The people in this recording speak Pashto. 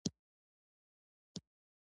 د امیدوارۍ د قبضیت لپاره میوه ډیره وخورئ